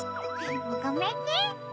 ごめんね。